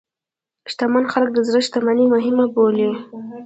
شتمن خلک د زړه شتمني مهمه بولي.